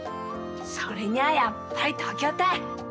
それにはやっぱり東京たい！